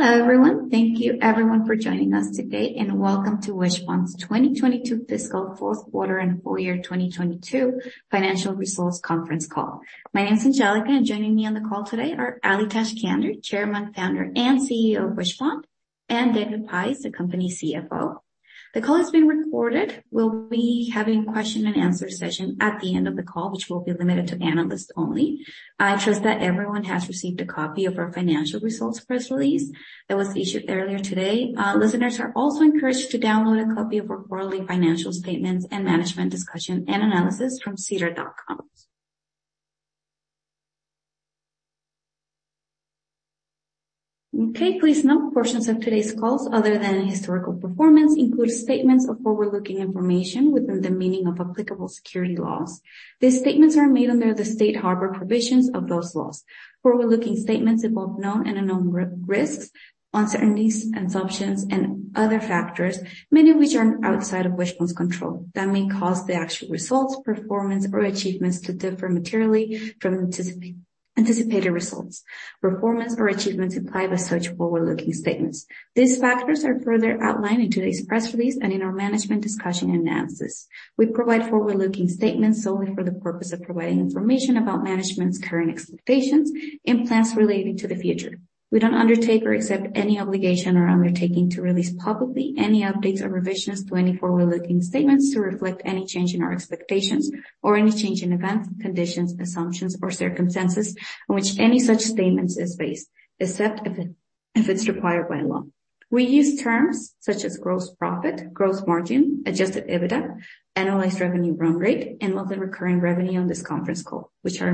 Hello, everyone. Thank you everyone for joining us today and welcome to Wishpond's 2022 fiscal fourth quarter and full year 2022 financial results conference call. My name is Angelica, Joining me on the call today are Ali Tajskandar, Chairman, Founder, and CEO of Wishpond, and David Pais, the company CFO. The call is being recorded. We'll be having question-and-answer session at the end of the call, which will be limited to analysts only. I trust that everyone has received a copy of our financial results press release that was issued earlier today. Listeners are also encouraged to download a copy of our quarterly financial statements and management discussion and analysis from sedar.com. Okay. Please note portions of today's calls other than historical performance include statements of forward-looking information within the meaning of applicable security laws. These statements are made under the Safe Harbor provisions of those laws. Forward-looking statements involve known and unknown risks, uncertainties, assumptions, and other factors, many of which are outside of Wishpond's control that may cause the actual results, performance, or achievements to differ materially from anticipated results. Performance or achievements implied by such forward-looking statements. These factors are further outlined in today's press release and in our management discussion and analysis. We provide forward-looking statements solely for the purpose of providing information about management's current expectations and plans relating to the future. We don't undertake or accept any obligation or undertaking to release publicly any updates or revisions to any forward-looking statements to reflect any change in our expectations or any change in events, conditions, assumptions or circumstances on which any such statements is based, except if it's required by law. We use terms such as gross profit, gross margin, Adjusted EBITDA, Annualized Revenue Run-Rate, and Monthly Recurring Revenue on this conference call, which are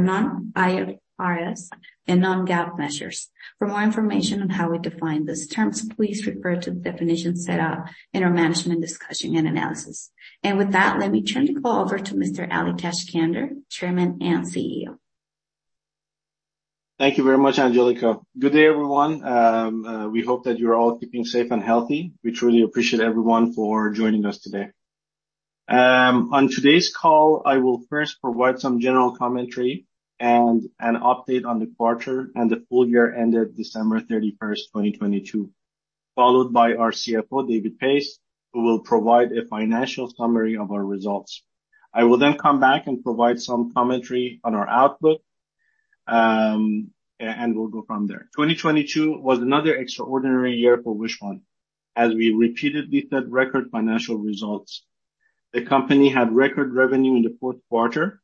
non-IFRS and non-GAAP measures. For more information on how we define these terms, please refer to the definition set out in our management discussion and analysis. With that, let me turn the call over to Mr. Ali Tajskandar, Chairman and CEO. Thank you very much, Angelica. Good day, everyone. We hope that you're all keeping safe and healthy. We truly appreciate everyone for joining us today. On today's call, I will first provide some general commentary and an update on the quarter and the full year ended December 31st, 2022, followed by our CFO, David Pais, who will provide a financial summary of our results. I will come back and provide some commentary on our outlook, and we'll go from there. 2022 was another extraordinary year for Wishpond as we repeatedly set record financial results. The company had record revenue in the fourth quarter,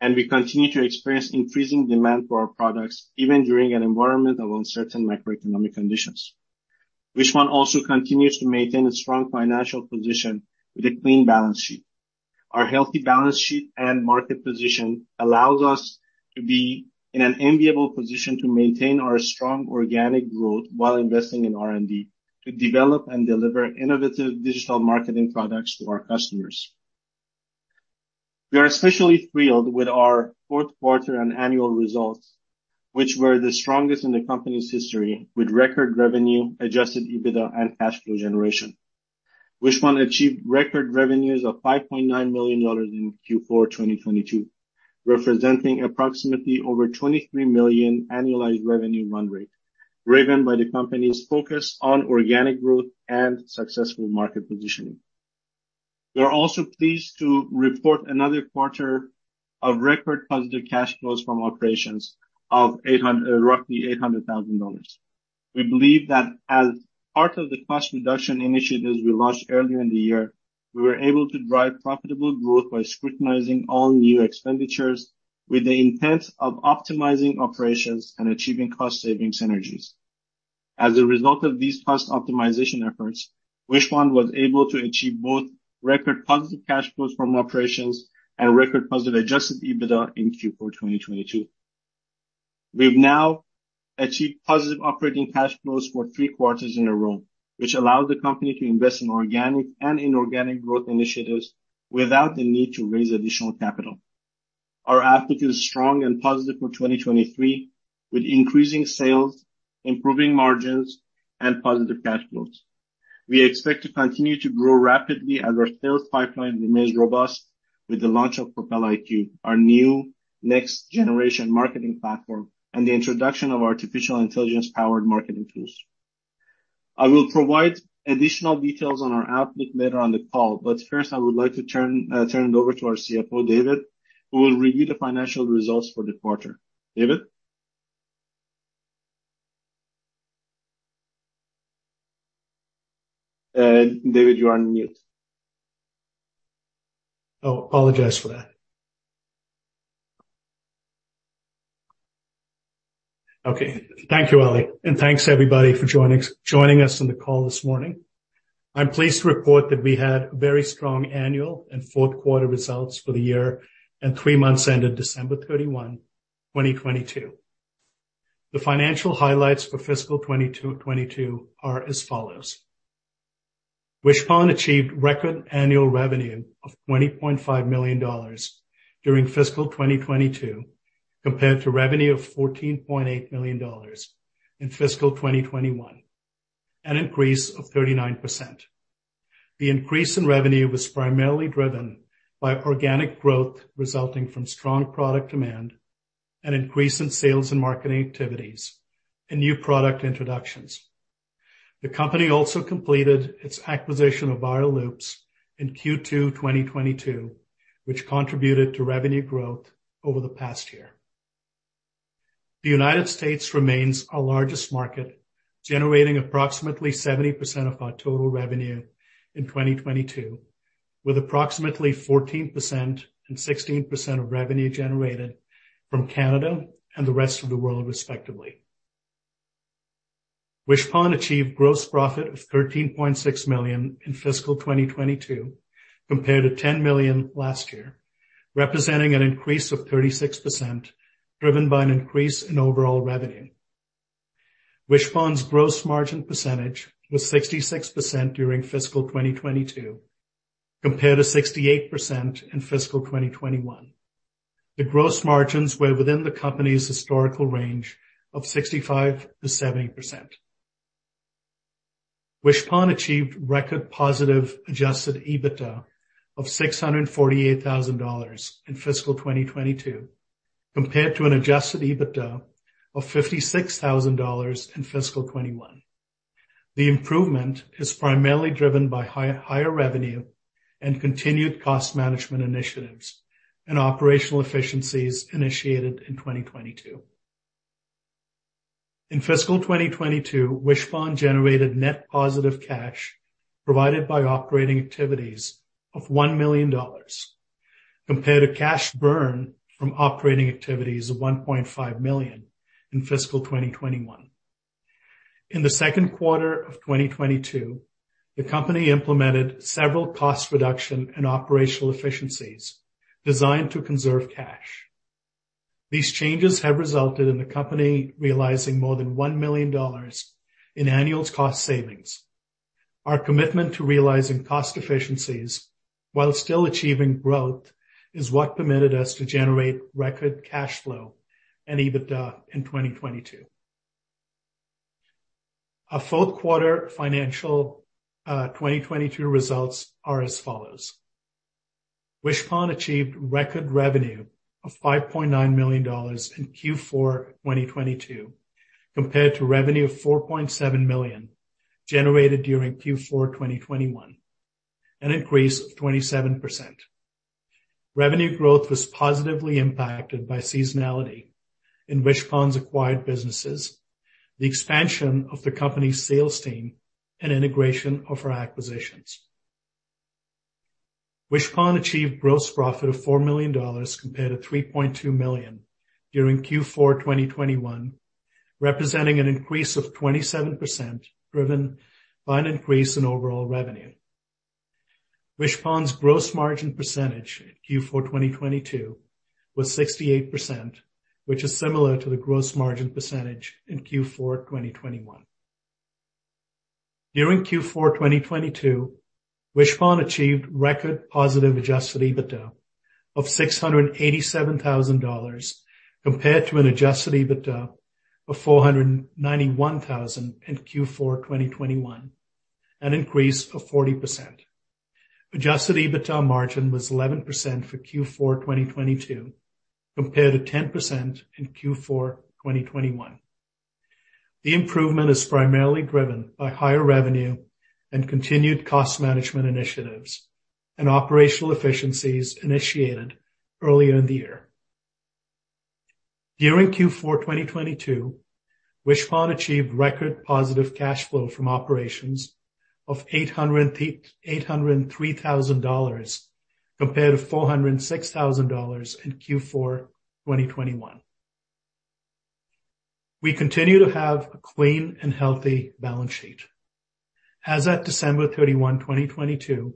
and we continue to experience increasing demand for our products even during an environment of uncertain macroeconomic conditions. Wishpond also continues to maintain a strong financial position with a clean balance sheet. Our healthy balance sheet and market position allows us to be in an enviable position to maintain our strong organic growth while investing in R&D to develop and deliver innovative digital marketing products to our customers. We are especially thrilled with our fourth quarter and annual results, which were the strongest in the company's history with record revenue, Adjusted EBITDA and cash flow generation. Wishpond achieved record revenues of $5.9 million in Q4 2022, representing approximately over $23 million Annualized Revenue Run-Rate, driven by the company's focus on organic growth and successful market positioning. We are also pleased to report another quarter of record positive cash flows from operations of roughly $800,000. We believe that as part of the cost reduction initiatives we launched earlier in the year, we were able to drive profitable growth by scrutinizing all new expenditures with the intent of optimizing operations and achieving cost savings synergies. As a result of these cost optimization efforts, Wishpond was able to achieve both record positive cash flows from operations and record positive Adjusted EBITDA in Q4 2022. We've now achieved positive operating cash flows for three quarters in a row, which allows the company to invest in organic and inorganic growth initiatives without the need to raise additional capital. Our outlook is strong and positive for 2023, with increasing sales, improving margins and positive cash flows. We expect to continue to grow rapidly as our sales pipeline remains robust with the launch of Propel IQ, our new next generation marketing platform, and the introduction of artificial intelligence powered marketing tools. I will provide additional details on our outlook later on the call, but first, I would like to turn it over to our CFO, David, who will review the financial results for the quarter. David? David, you're on mute. Apologize for that. Okay, thank you, Ali, and thanks everybody for joining us on the call this morning. I'm pleased to report that we had very strong annual and fourth quarter results for the year and three months ended December 31, 2022. The financial highlights for fiscal 2022 are as follows. Wishpond achieved record annual revenue of 20.5 million dollars during fiscal 2022, compared to revenue of 14.8 million dollars in fiscal 2021, an increase of 39%. The increase in revenue was primarily driven by organic growth resulting from strong product demand and increase in sales and marketing activities and new product introductions. The company also completed its acquisition of Viral Loops in Q2 2022, which contributed to revenue growth over the past year. The United States remains our largest market, generating approximately 70% of our total revenue in 2022, with approximately 14% and 16% of revenue generated from Canada and the rest of the world respectively. Wishpond achieved gross profit of $13.6 million in fiscal 2022 compared to $10 million last year, representing an increase of 36% driven by an increase in overall revenue. Wishpond's gross margin percentage was 66% during fiscal 2022 compared to 68% in fiscal 2021. The gross margins were within the company's historical range of 65%-70%. Wishpond achieved record positive Adjusted EBITDA of $648,000 in fiscal 2022 compared to an Adjusted EBITDA of $56,000 in fiscal 2021. The improvement is primarily driven by higher revenue and continued cost management initiatives and operational efficiencies initiated in 2022. In fiscal 2022, Wishpond generated net positive cash provided by operating activities of $1 million compared to cash burn from operating activities of $1.5 million in fiscal 2021. In the second quarter of 2022, the company implemented several cost reduction and operational efficiencies designed to conserve cash. These changes have resulted in the company realizing more than $1 million in annual cost savings. Our commitment to realizing cost efficiencies while still achieving growth is what permitted us to generate record cash flow and EBITDA in 2022. Our fourth quarter financial 2022 results are as follows. Wishpond achieved record revenue of $5.9 million in Q4 2022 compared to revenue of $4.7 million generated during Q4 2021, an increase of 27%. Revenue growth was positively impacted by seasonality in Wishpond's acquired businesses, the expansion of the company's sales team, and integration of our acquisitions. Wishpond achieved gross profit of $4 million compared to $3.2 million during Q4 2021, representing an increase of 27% driven by an increase in overall revenue. Wishpond's gross margin percentage in Q4 2022 was 68%, which is similar to the gross margin percentage in Q4 2021. During Q4 2022, Wishpond achieved record positive Adjusted EBITDA of $687,000 compared to an Adjusted EBITDA of $491,000 in Q4 2021, an increase of 40%. Adjusted EBITDA margin was 11% for Q4 2022 compared to 10% in Q4 2021. The improvement is primarily driven by higher revenue and continued cost management initiatives and operational efficiencies initiated earlier in the year. During Q4 2022, Wishpond achieved record positive cash flow from operations of $803,000 compared to $406,000 in Q4 2021. We continue to have a clean and healthy balance sheet. As at December 31, 2022,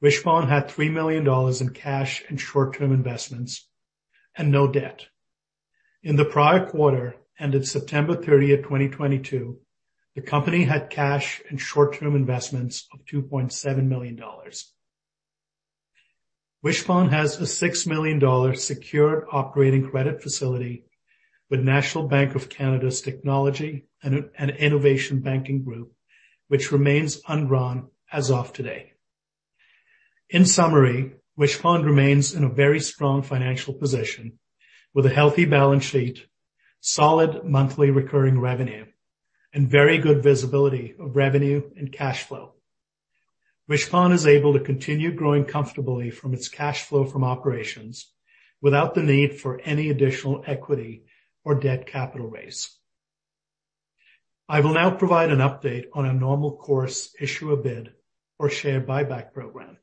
Wishpond had $3 million in cash and short-term investments and no debt. In the prior quarter, ended September 30th, 2022, the company had cash and short-term investments of $2.7 million. Wishpond has a $6 million secured operating credit facility with National Bank of Canada's Technology and Innovation Banking Group, which remains undrawn as of today. In summary, Wishpond remains in a very strong financial position with a healthy balance sheet, solid Monthly Recurring Revenue, and very good visibility of revenue and cash flow. Wishpond is able to continue growing comfortably from its cash flow from operations without the need for any additional equity or debt capital raise. I will now provide an update on a normal course issuer bid for share buyback program.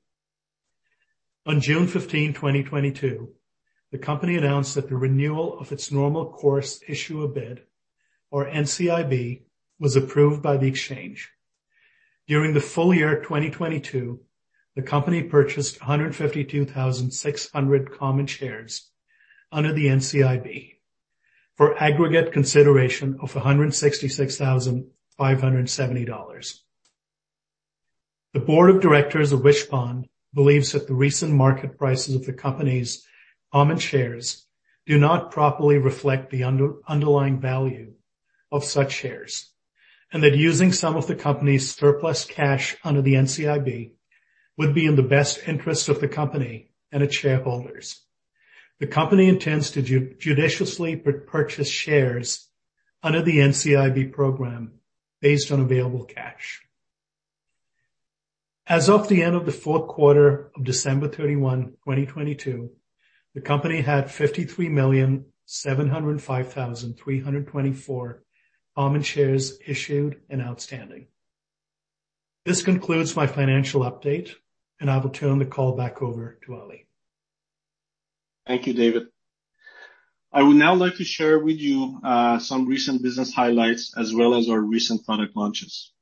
On June 15, 2022, the company announced that the renewal of its normal course issuer bid or NCIB was approved by the exchange. During the full year 2022, the company purchased 152,600 common shares under the NCIB for aggregate consideration of 166,570 dollars. The board of directors of Wishpond believes that the recent market prices of the company's common shares do not properly reflect the underlying value of such shares, and that using some of the company's surplus cash under the NCIB would be in the best interest of the company and its shareholders. The company intends to judiciously purchase shares under the NCIB program based on available cash. As of the end of the fourth quarter of December 31, 2022, the company had 53,705,324 common shares issued and outstanding. This concludes my financial update, and I will turn the call back over to Ali. Thank you, David. I would now like to share with you some recent business highlights as well as our recent product launches.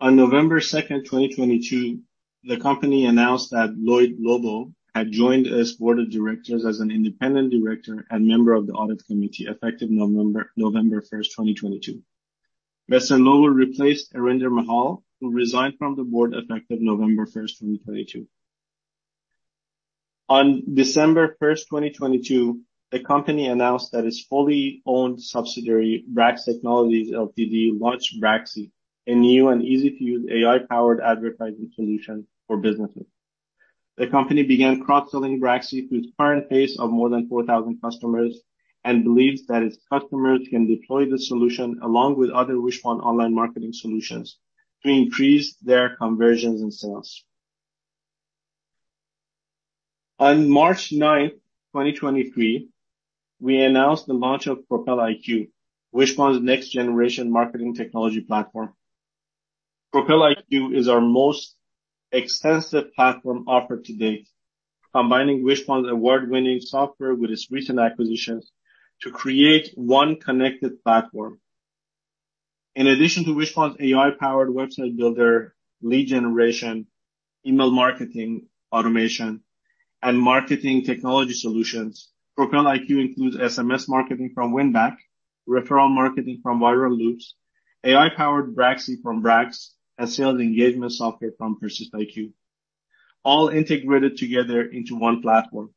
On November 2nd, 2022, the company announced that Lloyd Lobo had joined as Board of Directors as an Independent Director and member of the Audit Committee effective November 1st, 2022. Mr. Lobo replaced Arinder Mahal, who resigned from the Board effective November 1st, 2022. On December 1st, 2022, the company announced that its fully owned subsidiary, Brax Technologies Ltd., launched Braxy, a new and easy-to-use AI-powered advertising solution for businesses. The company began cross-selling Braxy to its current base of more than 4,000 customers, and believes that its customers can deploy the solution along with other Wishpond online marketing solutions to increase their conversions and sales. On March 9th, 2023, we announced the launch of Propel IQ, Wishpond's next-generation marketing technology platform. Propel IQ is our most extensive platform offered to date, combining Wishpond's award-winning software with its recent acquisitions to create one connected platform. In addition to Wishpond's AI-powered website builder, lead generation, email marketing automation, and marketing technology solutions, Propel IQ includes SMS marketing from Winback, referral marketing from Viral Loops, AI-powered Braxy from Brax, and sales engagement software from PersistIQ, all integrated together into one platform.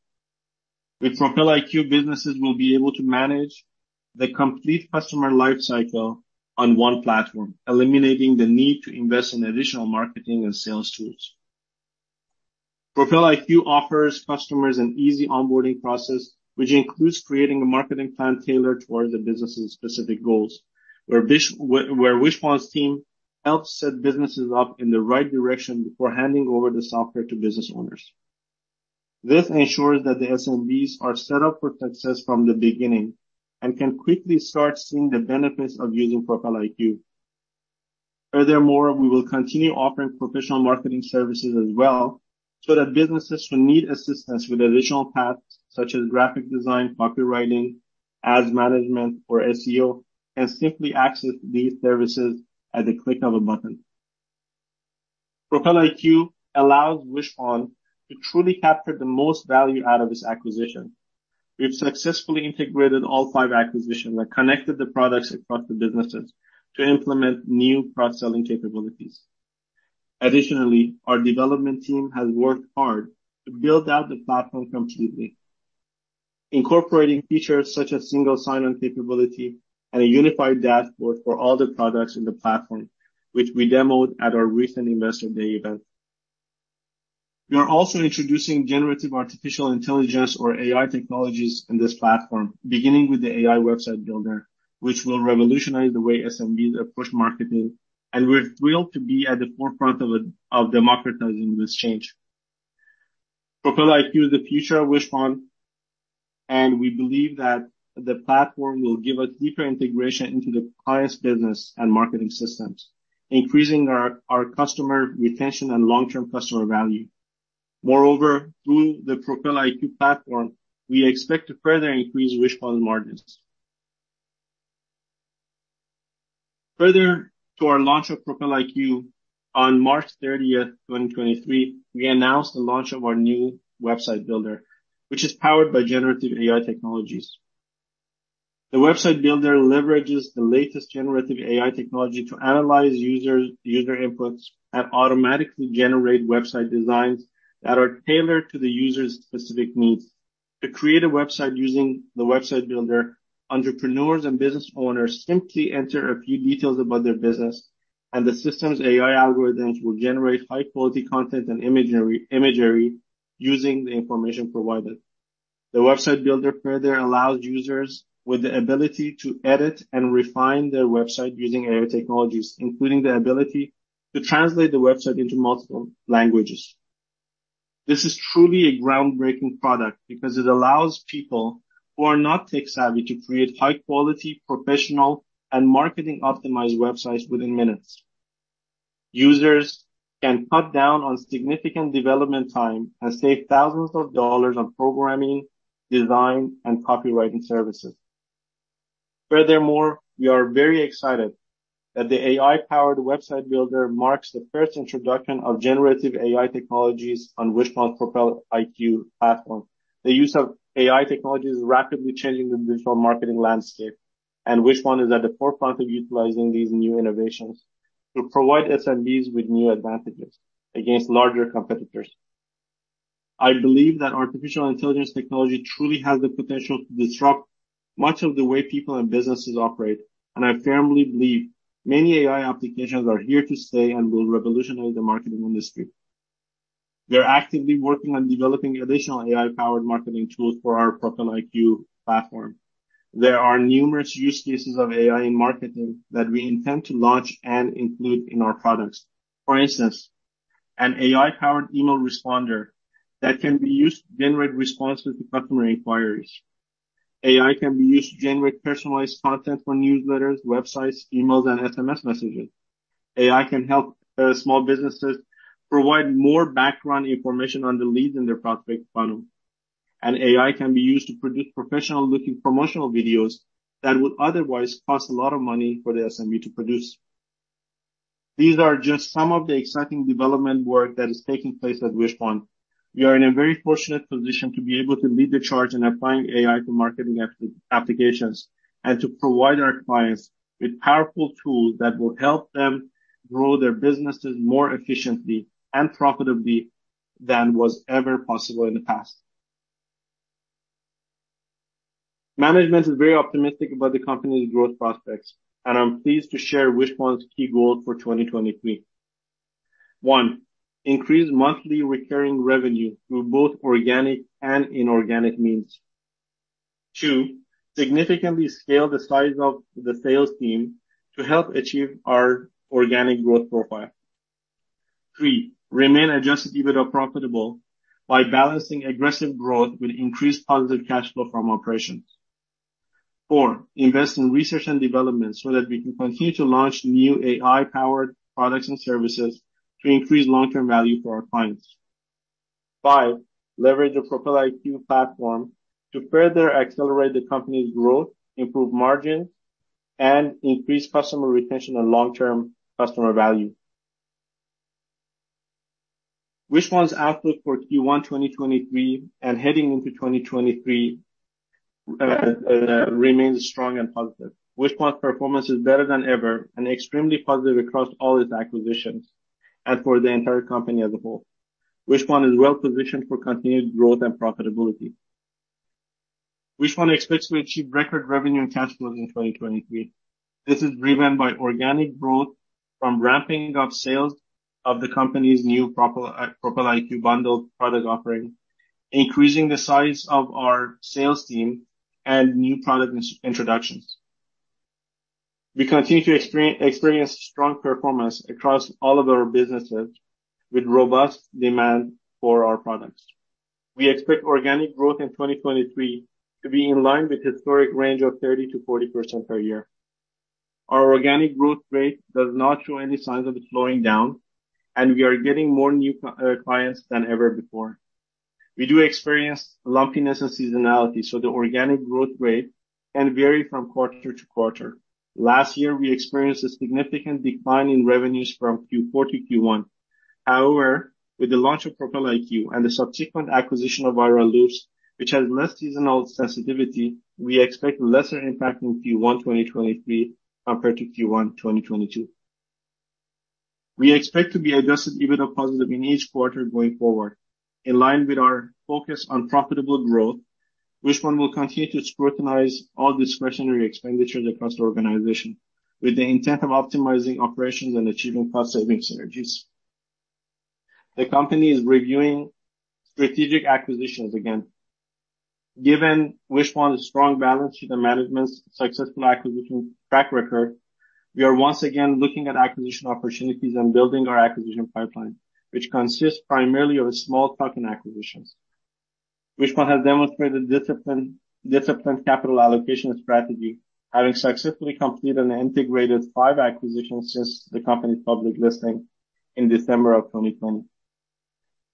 With Propel IQ, businesses will be able to manage the complete customer lifecycle on one platform, eliminating the need to invest in additional marketing and sales tools. Propel IQ offers customers an easy onboarding process, which includes creating a marketing plan tailored towards the business's specific goals, where Wishpond's team helps set businesses up in the right direction before handing over the software to business owners. This ensures that the SMBs are set up for success from the beginning and can quickly start seeing the benefits of using Propel IQ. We will continue offering professional marketing services as well, so that businesses who need assistance with additional tasks such as graphic design, copywriting, ads management or SEO, can simply access these services at a click of a button. Propel IQ allows Wishpond to truly capture the most value out of its acquisition. We've successfully integrated all five acquisitions and connected the products across the businesses to implement new cross-selling capabilities. Additionally, our development team has worked hard to build out the platform completely, incorporating features such as single sign-on capability and a unified dashboard for all the products in the platform, which we demoed at our recent investor day event. We are also introducing generative artificial intelligence or AI technologies in this platform, beginning with the AI website builder, which will revolutionize the way SMBs approach marketing, and we're thrilled to be at the forefront of democratizing this change. Propel IQ is the future of Wishpond, and we believe that the platform will give a deeper integration into the client's business and marketing systems, increasing our customer retention and long-term customer value. Moreover, through the Propel IQ platform, we expect to further increase Wishpond margins. Further to our launch of Propel IQ, on March 30th, 2023, we announced the launch of our new website builder, which is powered by generative AI technologies. The website builder leverages the latest generative AI technology to analyze users, user inputs and automatically generate website designs that are tailored to the user's specific needs. To create a website using the website builder, entrepreneurs and business owners simply enter a few details about their business, and the system's AI algorithms will generate high-quality content and imagery using the information provided. The website builder further allows users with the ability to edit and refine their website using AI technologies, including the ability to translate the website into multiple languages. This is truly a groundbreaking product because it allows people who are not tech-savvy to create high-quality, professional and marketing optimized websites within minutes. Users can cut down on significant development time and save thousands of dollars on programming, design, and copywriting services. Furthermore, we are very excited that the AI-powered website builder marks the first introduction of generative AI technologies on Wishpond Propel IQ platform. The use of AI technology is rapidly changing the digital marketing landscape, and Wishpond is at the forefront of utilizing these new innovations to provide SMBs with new advantages against larger competitors. I believe that artificial intelligence technology truly has the potential to disrupt much of the way people and businesses operate, and I firmly believe many AI applications are here to stay and will revolutionize the marketing industry. We are actively working on developing additional AI-powered marketing tools for our Propel IQ platform. There are numerous use cases of AI in marketing that we intend to launch and include in our products. For instance, an AI-powered email responder that can be used to generate responses to customer inquiries. AI can be used to generate personalized content for newsletters, websites, emails, and SMS messaging. AI can help small businesses provide more background information on the leads in their prospect funnel. AI can be used to produce professional-looking promotional videos that would otherwise cost a lot of money for the SMB to produce. These are just some of the exciting development work that is taking place at Wishpond. We are in a very fortunate position to be able to lead the charge in applying AI to marketing applications, and to provide our clients with powerful tools that will help them grow their businesses more efficiently and profitably than was ever possible in the past. Management is very optimistic about the company's growth prospects. I'm pleased to share Wishpond's key goals for 2023. One, increase Monthly Recurring Revenue through both organic and inorganic means. Two, significantly scale the size of the sales team to help achieve our organic growth profile. Three, remain Adjusted EBITDA profitable by balancing aggressive growth with increased positive cash flow from operations. Four, invest in research and development so that we can continue to launch new AI-powered products and services to increase long-term value for our clients. Five, leverage the Propel IQ platform to further accelerate the company's growth, improve margins, and increase customer retention and long-term customer value. Wishpond's outlook for Q1 2023 and heading into 2023 remains strong and positive. Wishpond's performance is better than ever and extremely positive across all its acquisitions, and for the entire company as a whole. Wishpond is well-positioned for continued growth and profitability. Wishpond expects to achieve record revenue and cash flows in 2023. This is driven by organic growth from ramping up sales of the company's new Propel IQ bundled product offering, increasing the size of our sales team and new product introductions. We continue to experience strong performance across all of our businesses with robust demand for our products. We expect organic growth in 2023 to be in line with historic range of 30%-40% per year. Our organic growth rate does not show any signs of slowing down, and we are getting more new clients than ever before. The organic growth rate can vary from quarter to quarter. Last year, we experienced a significant decline in revenues from Q4 to Q1. With the launch of Propel IQ and the subsequent acquisition of Viral Loops, which has less seasonal sensitivity, we expect lesser impact in Q1 2023 compared to Q1 2022. We expect to be Adjusted EBITDA positive in each quarter going forward. In line with our focus on profitable growth, Wishpond will continue to scrutinize all discretionary expenditures across the organization with the intent of optimizing operations and achieving cost-saving synergies. The company is reviewing strategic acquisitions again. Given Wishpond's strong balance sheet and management's successful acquisition track record, we are once again looking at acquisition opportunities and building our acquisition pipeline, which consists primarily of small token acquisitions. Wishpond has demonstrated disciplined capital allocation strategy, having successfully completed and integrated five acquisitions since the company's public listing in December 2020.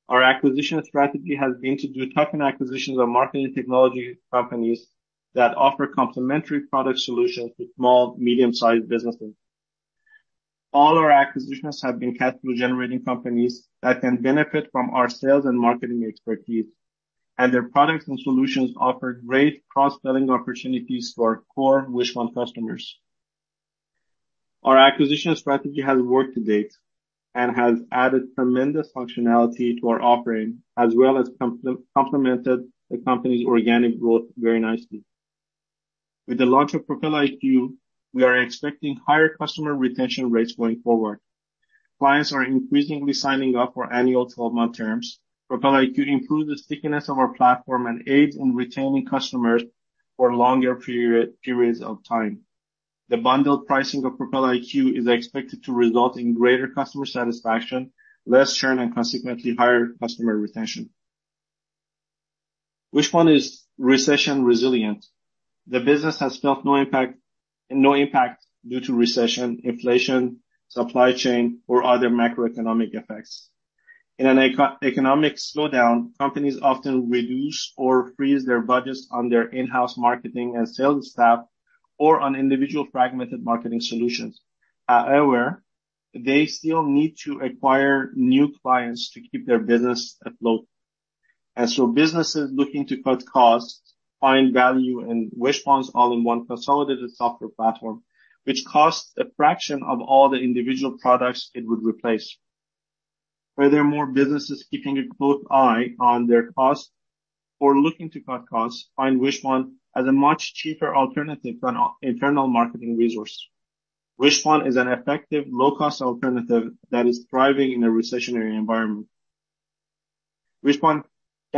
Our acquisition strategy has been to do token acquisitions of marketing technology companies that offer complementary product solutions to small medium-sized businesses. All our acquisitions have been cash flow-generating companies that can benefit from our sales and marketing expertise, and their products and solutions offer great cross-selling opportunities to our core Wishpond customers. Our acquisition strategy has worked to date and has added tremendous functionality to our offering, as well as complemented the company's organic growth very nicely. With the launch of Propel IQ, we are expecting higher customer retention rates going forward. Clients are increasingly signing up for annual 12-month terms. Propel IQ improves the stickiness of our platform and aids in retaining customers for longer periods of time. The bundled pricing of Propel IQ is expected to result in greater customer satisfaction, less churn, and consequently higher customer retention. Wishpond is recession resilient. The business has felt no impact due to recession, inflation, supply chain, or other macroeconomic effects. In an eco-economic slowdown, companies often reduce or freeze their budgets on their in-house marketing and sales staff or on individual fragmented marketing solutions. However, they still need to acquire new clients to keep their business afloat. Businesses looking to cut costs find value in Wishpond's all-in-one consolidated software platform, which costs a fraction of all the individual products it would replace. Whether more businesses keeping a close eye on their costs or looking to cut costs, find Wishpond as a much cheaper alternative to an internal marketing resource. Wishpond is an effective, low-cost alternative that is thriving in a recessionary environment. Wishpond can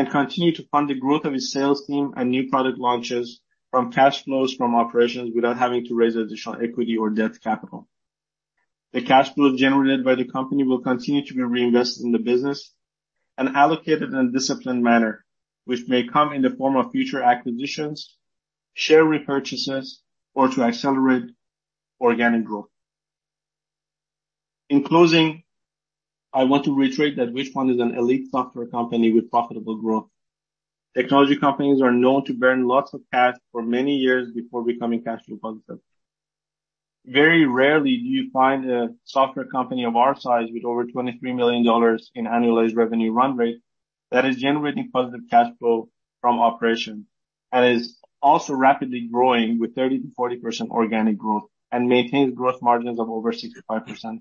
continue to fund the growth of its sales team and new product launches from cash flows from operations without having to raise additional equity or debt capital. The cash flow generated by the company will continue to be reinvested in the business and allocated in a disciplined manner, which may come in the form of future acquisitions, share repurchases, or to accelerate organic growth. In closing, I want to reiterate that Wishpond is an elite software company with profitable growth. Technology companies are known to burn lots of cash for many years before becoming cash flow positive. Very rarely do you find a software company of our size with over $23 million in Annualized Revenue Run-Rate that is generating positive cash flow from operation and is also rapidly growing with 30%-40% organic growth and maintains growth margins of over 65%.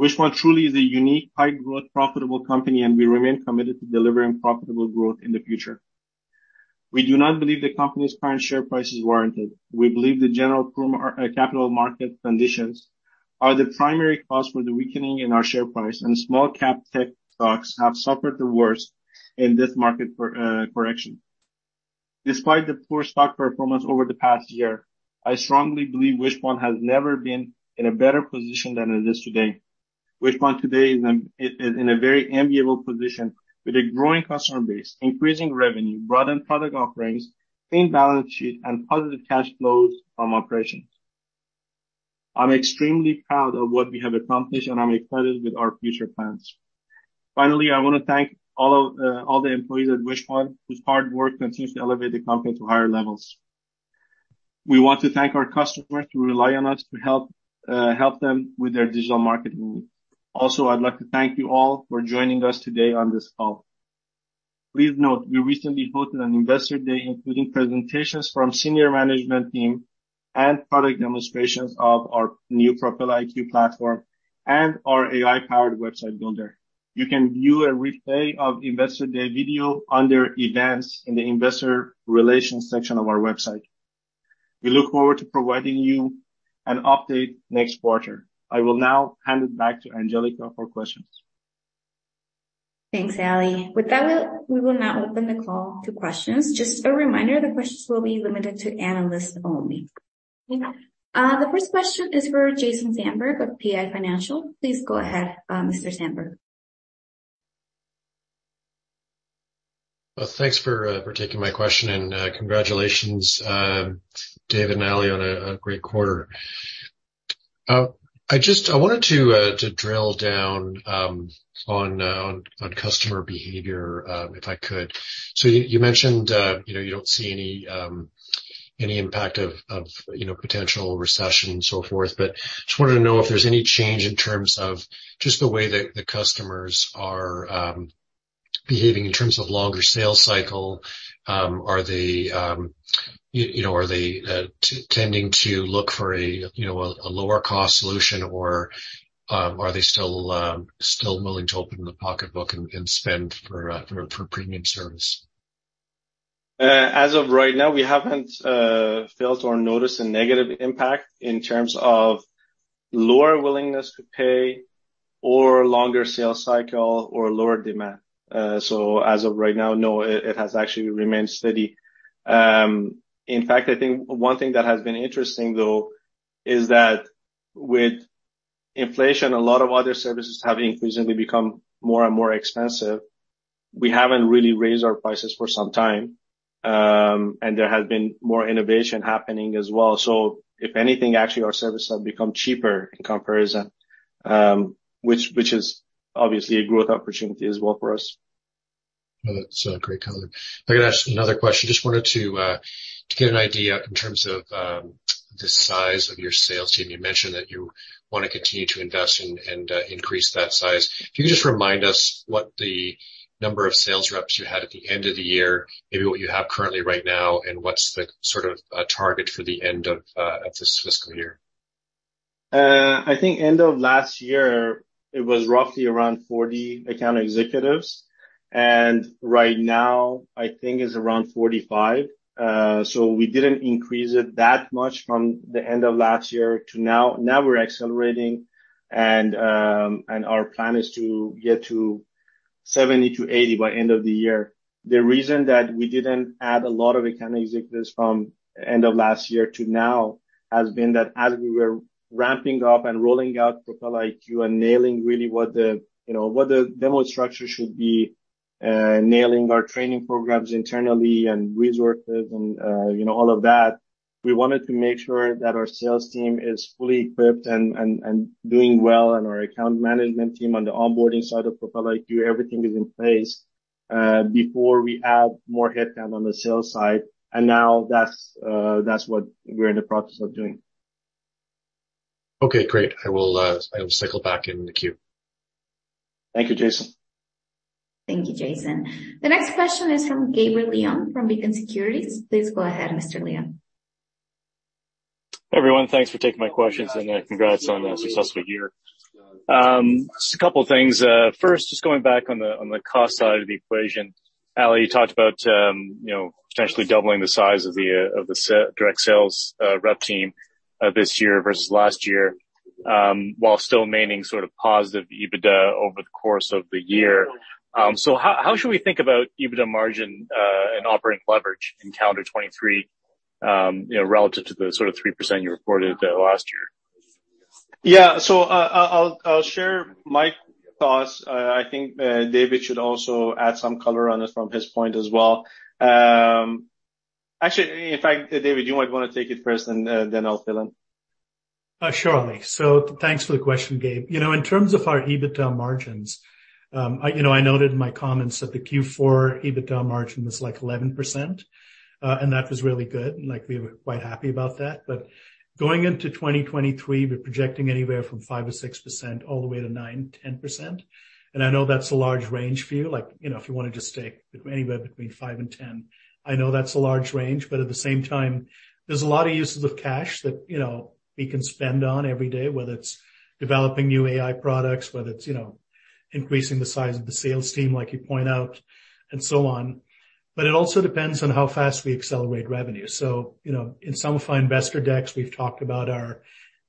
Wishpond truly is a unique, high growth, profitable company, and we remain committed to delivering profitable growth in the future. We do not believe the company's current share price is warranted. We believe the general capital market conditions are the primary cause for the weakening in our share price, and small cap tech stocks have suffered the worst in this market correction. Despite the poor stock performance over the past year, I strongly believe Wishpond has never been in a better position than it is today. Wishpond today is in a very enviable position with a growing customer base, increasing revenue, broadened product offerings, clean balance sheet, and positive cash flows from operations. I'm extremely proud of what we have accomplished, and I'm excited with our future plans. Finally, I wanna thank all of all the employees at Wishpond whose hard work continues to elevate the company to higher levels. We want to thank our customers who rely on us to help them with their digital marketing needs. I'd like to thank you all for joining us today on this call. Please note we recently hosted an Investor Day, including presentations from senior management team and product demonstrations of our new Propel IQ platform and our AI-powered website builder. You can view a replay of Investor Day video under Events in the Investor Relations section of our website. We look forward to providing you an update next quarter. I will now hand it back to Angelica for questions. Thanks, Ali. With that, we will now open the call to questions. Just a reminder, the questions will be limited to analysts only. The first question is for Jason Zandberg of PI Financial. Please go ahead, Mr. Zandberg. Thanks for taking my question. Congratulations, David and Ali, on a great quarter. I wanted to drill down on customer behavior, if I could. You mentioned, you know, you don't see any impact of, you know, potential recession and so forth, but just wanted to know if there's any change in terms of just the way that the customers are behaving in terms of longer sales cycle. Are they, you know, are they tending to look for a, you know, a lower cost solution, or are they still willing to open the pocketbook and spend for premium service? As of right now, we haven't felt or noticed a negative impact in terms of lower willingness to pay or longer sales cycle or lower demand. As of right now, no, it has actually remained steady. In fact, I think one thing that has been interesting though is that with inflation, a lot of other services have increasingly become more and more expensive. We haven't really raised our prices for some time, and there has been more innovation happening as well. If anything, actually our services have become cheaper in comparison, which is obviously a growth opportunity as well for us. That's a great comment. I'm gonna ask another question. Just wanted to get an idea in terms of the size of your sales team. You mentioned that you wanna continue to invest and increase that size. Can you just remind us what the number of sales reps you had at the end of the year, maybe what you have currently right now, and what's the sort of target for the end of this fiscal year? I think end of last year it was roughly around 40 account executives, and right now I think it's around 45. We didn't increase it that much from the end of last year to now. Now we're accelerating, and our plan is to get to 70-80 by end of the year. The reason that we didn't add a lot of account executives from end of last year to now has been that as we were ramping up and rolling out Propel IQ and nailing really what the, you know, what the demo structure should be, nailing our training programs internally and resources and, you know, all of that, we wanted to make sure that our sales team is fully equipped and doing well and our account management team on the onboarding side of Propel IQ, everything is in place, before we add more headcount on the sales side. Now that's what we're in the process of doing. Okay, great. I will cycle back in the queue. Thank you, Jason. Thank you, Jason. The next question is from Gabriel Leung from Beacon Securities. Please go ahead, Mr. Leung. Everyone, thanks for taking my questions, and congrats on a successful year. Just a couple of things. First, just going back on the cost side of the equation. Ali, you talked about, you know, potentially doubling the size of the direct sales rep team this year versus last year, while still maintaining sort of positive EBITDA over the course of the year. How should we think about EBITDA margin and operating leverage in calendar 2023, you know, relative to the sort of 3% you reported last year? I'll share my thoughts. I think David should also add some color on it from his point as well. Actually, in fact, David, do you might wanna take it first and then I'll fill in? Surely. Thanks for the question, Gabriel. You know, in terms of our EBITDA margins, I noted in my comments that the Q4 EBITDA margin was like 11%, and that was really good, and like, we were quite happy about that. Going into 2023, we're projecting anywhere from 5% or 6% all the way to 9%, 10%. I know that's a large range for you. Like, you know, if you wanna just take anywhere between 5% and 10%, I know that's a large range, but at the same time, there's a lot of uses of cash that, you know, we can spend on every day, whether it's developing new AI products, whether it's, you know, increasing the size of the sales team, like you point out, and so on. It also depends on how fast we accelerate revenue. You know, in some of our investor decks, we've talked about our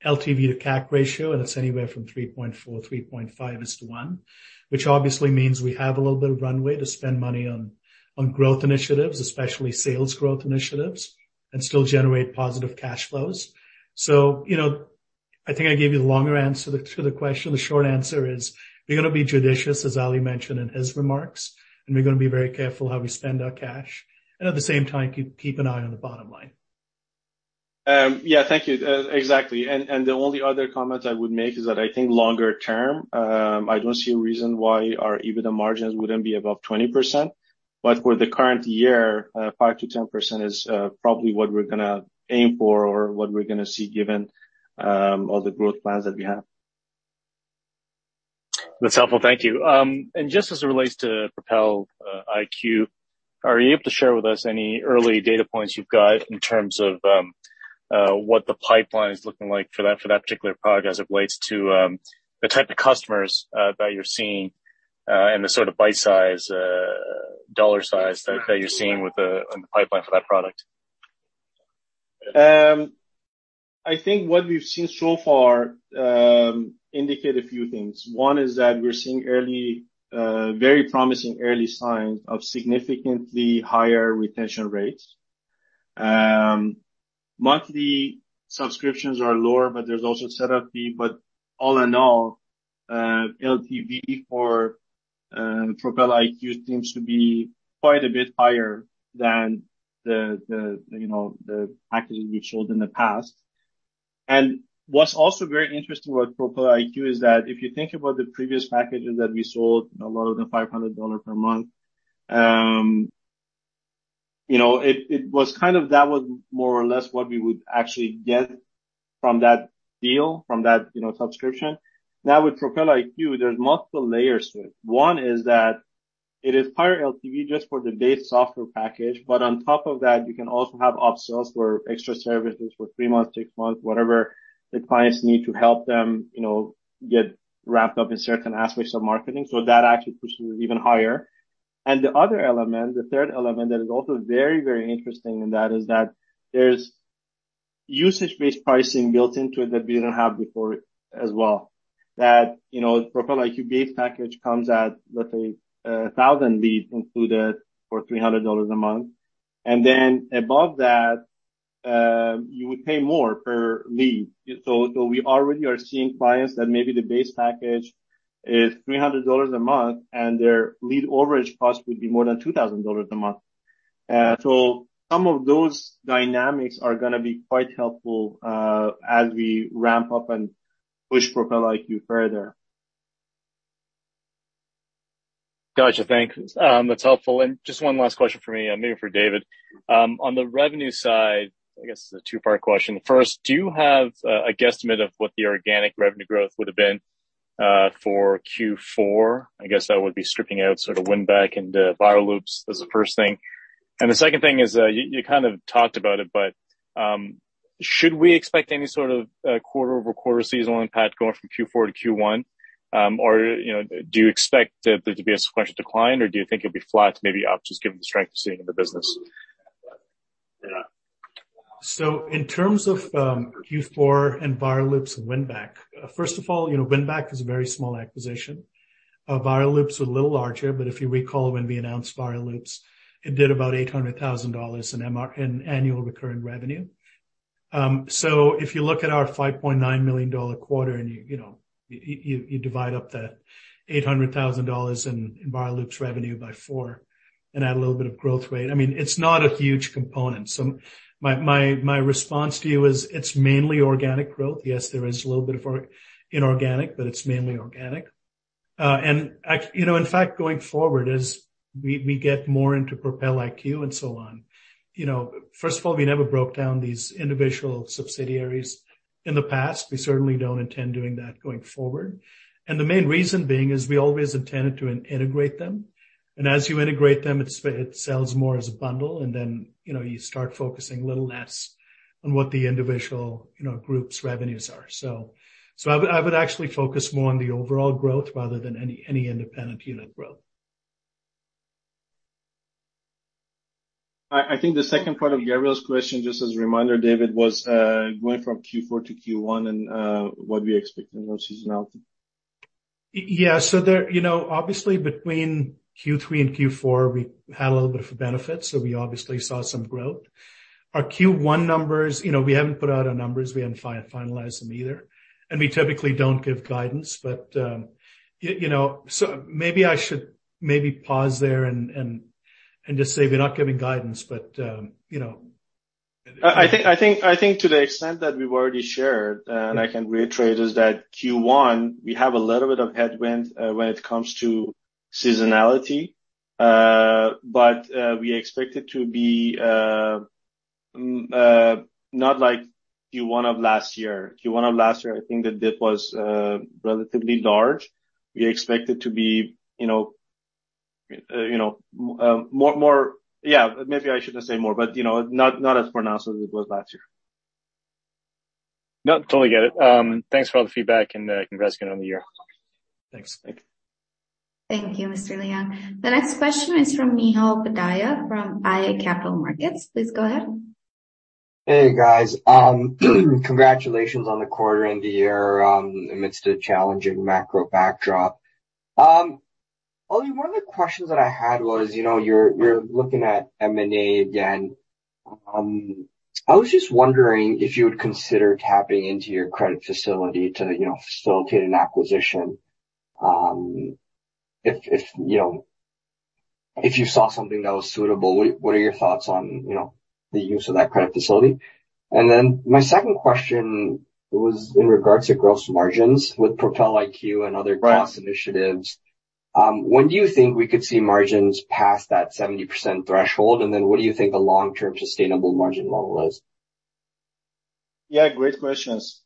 LTV to CAC ratio, and it's anywhere from 3.4-3.5 is to one, which obviously means we have a little bit of runway to spend money on growth initiatives, especially sales growth initiatives, and still generate positive cash flows. You know, I think I gave you the longer answer to the question. The short answer is we're gonna be judicious, as Ali mentioned in his remarks, and we're gonna be very careful how we spend our cash, and at the same time, keep an eye on the bottom line. Yeah, thank you. Exactly. The only other comment I would make is that I think longer term, I don't see a reason why our EBITDA margins wouldn't be above 20%. For the current year, 5%-10% is probably what we're gonna aim for or what we're gonna see given, all the growth plans that we have. That's helpful. Thank you. Just as it relates to Propel IQ, are you able to share with us any early data points you've got in terms of what the pipeline is looking like for that particular product as it relates to the type of customers that you're seeing, and the sort of bite size dollar size that you're seeing in the pipeline for that product? I think what we've seen so far indicate a few things. One is that we're seeing early, very promising early signs of significantly higher retention rates. Monthly subscriptions are lower, but there's also a set-up fee. All in all, LTV for Propel IQ seems to be quite a bit higher than the, you know, the packages we've sold in the past. What's also very interesting with Propel IQ is that if you think about the previous packages that we sold, a lot of them $500 per month, you know, it was kind of that was more or less what we would actually get from that deal, from that, you know, subscription. With Propel IQ, there's multiple layers to it. One is that it is higher LTV just for the base software package, but on top of that, you can also have upsells for extra services for three months, six months, whatever the clients need to help them, you know, get wrapped up in certain aspects of marketing. That actually pushes it even higher. The other element, the third element that is also very, very interesting in that is that there's usage-based pricing built into it that we didn't have before as well. That, you know, Propel IQ base package comes at, let's say, 1,000 leads included for $300 a month. You would pay more per lead. We already are seeing clients that maybe the base package is $300 a month and their lead overage cost would be more than $2,000 a month. Some of those dynamics are gonna be quite helpful, as we ramp up and push Propel IQ further. Gotcha. Thanks. That's helpful. Just one last question for me, maybe for David. On the revenue side, I guess it's a two-part question. First, do you have a guesstimate of what the organic revenue growth would have been for Q4? I guess that would be stripping out sort of Winback and Viral Loops as the first thing. The second thing is, you kind of talked about it, but should we expect any sort of quarter-over-quarter seasonal impact going from Q4 to Q1? Or, you know, do you expect there to be a sequential decline, or do you think it'll be flat, maybe up, just given the strength you're seeing in the business? In terms of Q4 and Viral Loops and Winback, first of all, you know, Winback is a very small acquisition. Viral Loops was a little larger, but if you recall when we announced Viral Loops, it did about $800,000 in annual recurring revenue. If you look at our $5.9 million quarter and you know, you divide up that $800,000 in Viral Loops revenue by four and add a little bit of growth rate, I mean, it's not a huge component. My response to you is it's mainly organic growth. Yes, there is a little bit of inorganic, but it's mainly organic. You know, in fact, going forward as we get more into Propel IQ and so on, you know, first of all, we never broke down these individual subsidiaries In the past, we certainly don't intend doing that going forward. The main reason being is we always intended to integrate them. As you integrate them, it sells more as a bundle, and then, you know, you start focusing a little less on what the individual, you know, groups revenues are. So I would actually focus more on the overall growth rather than any independent unit growth. I think the second part of Gabriel's question, just as a reminder, David, was going from Q4 to Q1 and what we expect in that seasonality. Yeah. There, you know, obviously between Q3 and Q4, we had a little bit of a benefit, so we obviously saw some growth. Our Q1 numbers, you know, we haven't put out our numbers, we haven't finalized them either. We typically don't give guidance, but, you know. Maybe I should pause there and just say we're not giving guidance. You know. I think to the extent that we've already shared, and I can reiterate, is that Q1, we have a little bit of headwind when it comes to seasonality. We expect it to be not like Q1 of last year. Q1 of last year, I think the dip was relatively large. We expect it to be, you know, you know, more. Yeah, maybe I shouldn't say more, but, you know, not as pronounced as it was last year. No, totally get it. Thanks for all the feedback and the investing over the year. Thanks. Thank you, Mr. Leung. The next question is from Neehal Upadhyaya from iA Capital Markets. Please go ahead. Hey, guys. Congratulations on the quarter and the year, amidst a challenging macro backdrop. Only one of the questions that I had was, you know, you're looking at M&A again. I was just wondering if you would consider tapping into your credit facility to, you know, facilitate an acquisition, if, you know, if you saw something that was suitable. What, what are your thoughts on, you know, the use of that credit facility? My second question was in regards to gross margins with Propel IQ and other gross initiatives. When do you think we could see margins past that 70% threshold? What do you think the long-term sustainable margin model is? Yeah, great questions.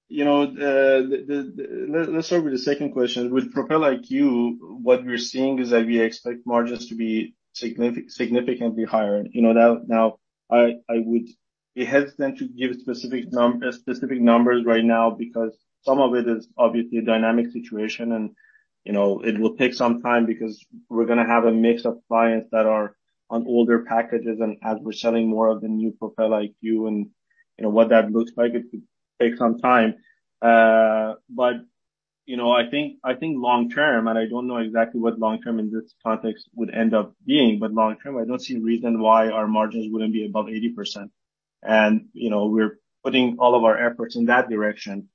You know, let's start with the second question. With Propel IQ, what we're seeing is that we expect margins to be significantly higher. You know, now I would be hesitant to give specific numbers right now because some of it is obviously a dynamic situation and, you know, it will take some time because we're gonna have a mix of clients that are on older packages. As we're selling more of the new Propel IQ and, you know, what that looks like, it could take some time. You know, I think long term, and I don't know exactly what long term in this context would end up being, but long term, I don't see a reason why our margins wouldn't be above 80%. You know, we're putting all of our efforts in that direction.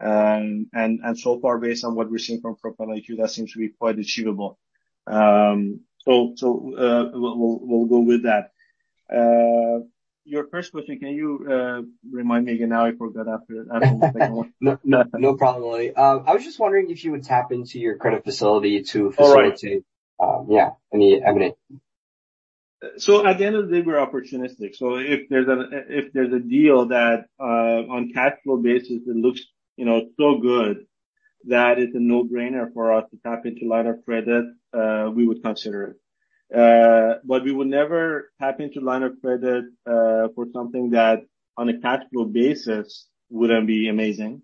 So far, based on what we're seeing from Propel IQ, that seems to be quite achievable. We'll go with that. Your first question, can you remind me again? Now I forgot after the second one. No, no problem, Ali. I was just wondering if you would tap into your credit facility? Oh, right. Yeah, any M&A. At the end of the day, we're opportunistic. If there's a deal that on cash flow basis, it looks, you know, so good that it's a no-brainer for us to tap into line of credit, we would consider it. We would never tap into line of credit for something that on a cash flow basis wouldn't be amazing.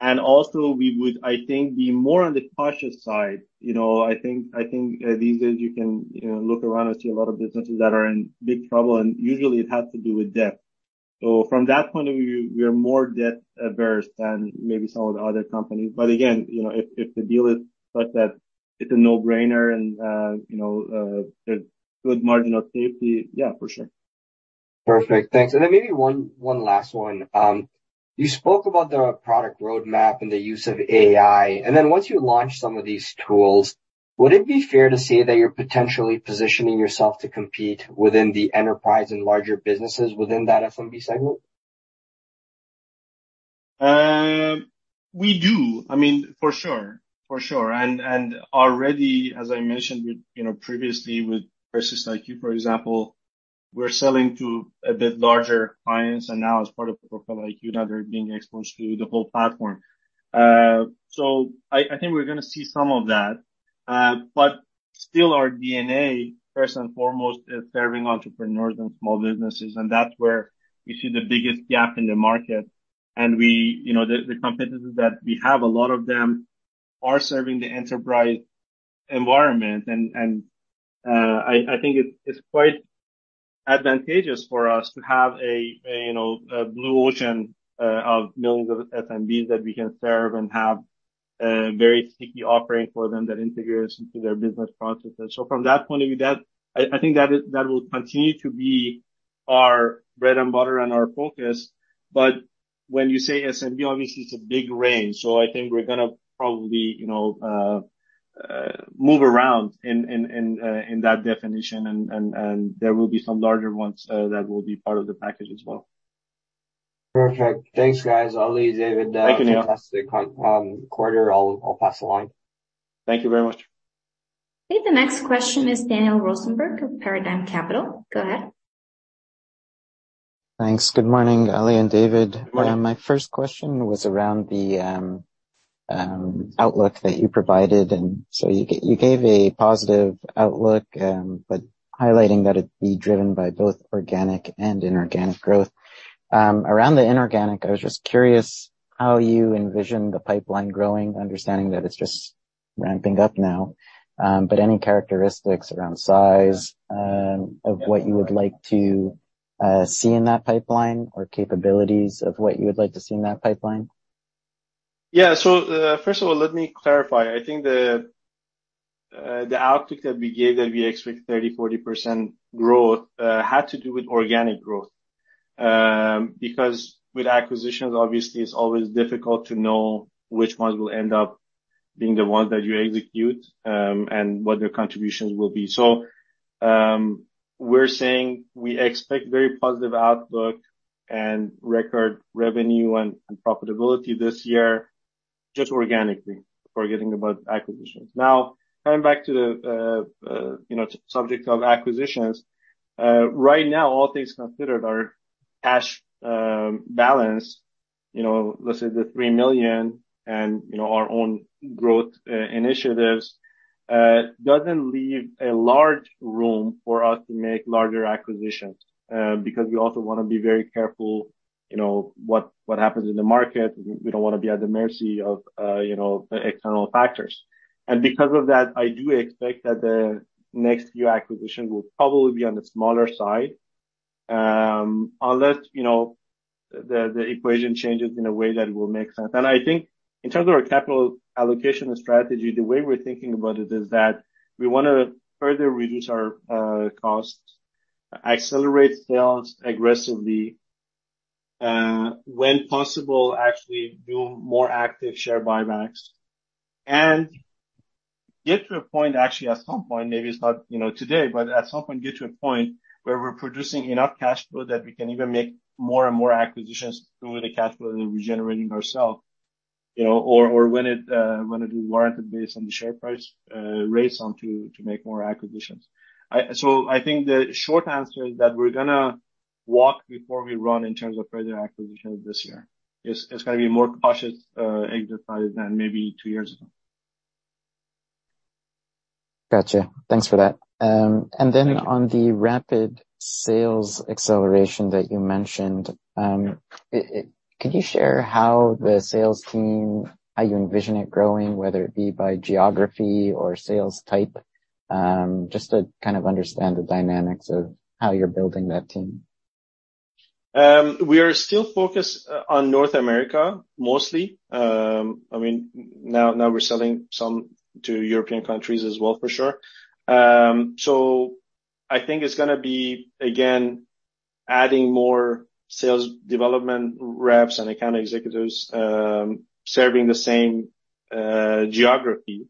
Also we would, I think, be more on the cautious side. You know, I think these days you can, you know, look around and see a lot of businesses that are in big trouble, and usually it has to do with debt. From that point of view, we are more debt averse than maybe some of the other companies. Again, you know, if the deal is such that it's a no-brainer and, you know, there's good margin of safety, yeah, for sure. Perfect. Thanks. Maybe one last one. You spoke about the product roadmap and the use of AI. Once you launch some of these tools, would it be fair to say that you're potentially positioning yourself to compete within the enterprise and larger businesses within that SMB segment? We do. I mean, for sure, for sure. Already, as I mentioned with, you know, previously with PersistIQ, for example, we're selling to a bit larger clients. Now as part of Propel IQ, now they're being exposed to the whole platform. I think we're gonna see some of that. Still our DNA, first and foremost, is serving entrepreneurs and small businesses, and that's where we see the biggest gap in the market. We, you know, the competencies that we have, a lot of them are serving the enterprise environment. I think it's quite advantageous for us to have a, you know, a blue ocean of millions of SMBs that we can serve and have a very sticky offering for them that integrates into their business processes. From that point of view, that I think that will continue to be our bread and butter and our focus. When you say SMB, obviously it's a big range. I think we're gonna probably, you know, move around in that definition and there will be some larger ones that will be part of the package as well. Perfect. Thanks, guys. Ali, David- Thank you, Neehal. fantastic quarter. I'll pass along. Thank you very much. Okay. The next question is Daniel Rosenberg of Paradigm Capital. Go ahead. Thanks. Good morning, Ali and David. Good morning. My first question was around the outlook that you provided. You gave a positive outlook, but highlighting that it'd be driven by both organic and inorganic growth. Around the inorganic, I was just curious how you envision the pipeline growing, understanding that it's just ramping up now. Any characteristics around size of what you would like to see in that pipeline or capabilities of what you would like to see in that pipeline? Yeah. First of all, let me clarify. I think the outlook that we gave, that we expect 30%-40% growth, had to do with organic growth. Because with acquisitions, obviously, it's always difficult to know which ones will end up being the ones that you execute, and what their contributions will be. We're saying we expect very positive outlook and record revenue and profitability this year, just organically, forgetting about acquisitions. Coming back to the, you know, subject of acquisitions, right now, all things considered, our cash balance, you know, let's say the 3 million and, you know, our own growth initiatives, doesn't leave a large room for us to make larger acquisitions, because we also wanna be very careful, you know, what happens in the market. We don't wanna be at the mercy of, you know, the external factors. Because of that, I do expect that the next few acquisitions will probably be on the smaller side, unless, you know, the equation changes in a way that will make sense. I think in terms of our capital allocation strategy, the way we're thinking about it is that we wanna further reduce our costs, accelerate sales aggressively, when possible, actually do more active share buybacks and get to a point, actually, at some point, maybe it's not, you know, today, but at some point, get to a point where we're producing enough cash flow that we can even make more and more acquisitions through the cash flow that we're generating ourselves, you know, or when it, when it is warranted based on the share price, raise some to make more acquisitions. I think the short answer is that we're gonna walk before we run in terms of further acquisitions this year. It's gonna be a more cautious exercise than maybe two years ago. Gotcha. Thanks for that. Thank you. On the rapid sales acceleration that you mentioned, could you share how the sales team, how you envision it growing, whether it be by geography or sales type? Just to kind of understand the dynamics of how you're building that team. We are still focused on North America, mostly. I mean, now we're selling some to European countries as well, for sure. I think it's gonna be, again, adding more sales development reps and account executives, serving the same geography.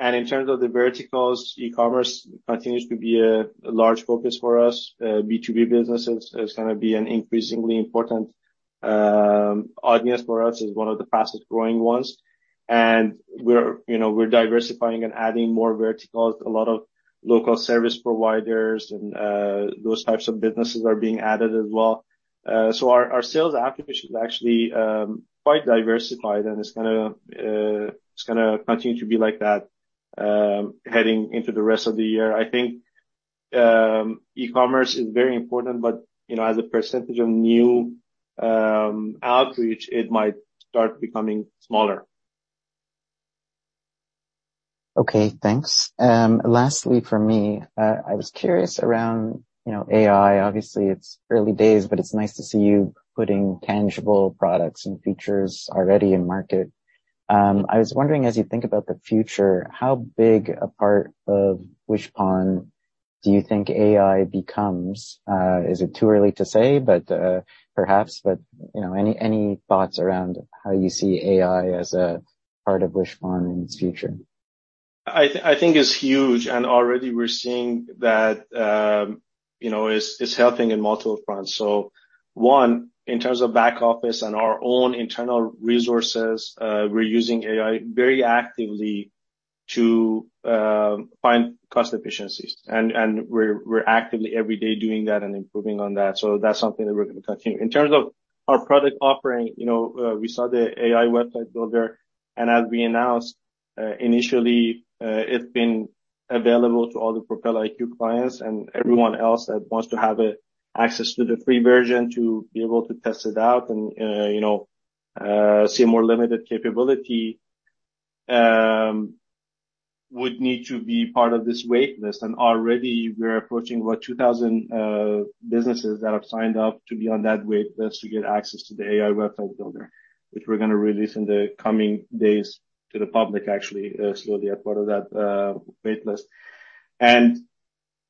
In terms of the verticals, e-commerce continues to be a large focus for us. B2B businesses is gonna be an increasingly important audience for us. It's one of the fastest-growing ones. We're, you know, we're diversifying and adding more verticals. A lot of local service providers and those types of businesses are being added as well. Our sales acquisition is actually quite diversified, and it's gonna continue to be like that, heading into the rest of the year. I think, e-commerce is very important, but, you know, as a percent of new, outreach, it might start becoming smaller. Okay. Thanks. Lastly for me, I was curious around, you know, AI. Obviously, it's early days, but it's nice to see you putting tangible products and features already in market. I was wondering, as you think about the future, how big a part of Wishpond do you think AI becomes? Is it too early to say? Perhaps, but, you know, any thoughts around how you see AI as a part of Wishpond in its future? I think it's huge, and already we're seeing that, you know, it's helping in multiple fronts. One, in terms of back office and our own internal resources, we're using AI very actively to find cost efficiencies. We're actively every day doing that and improving on that. That's something that we're gonna continue. In terms of our product offering, you know, we saw the AI website builder, and as we announced, initially, it's been available to all the Propel IQ clients and everyone else that wants to have access to the free version to be able to test it out and, you know, see more limited capability, would need to be part of this wait list. Already we're approaching about 2,000 businesses that have signed up to be on that wait list to get access to the AI website builder, which we're gonna release in the coming days to the public, actually, slowly as part of that wait list.